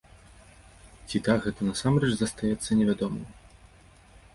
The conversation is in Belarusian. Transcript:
Ці так гэта насамрэч застаецца невядомым.